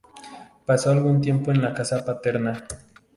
Pasó algún tiempo en la casa paterna.